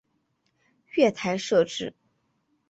月台设置